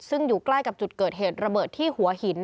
ซึ่งอยู่ใกล้กับจุดเกิดเหตุระเบิดที่หัวหิน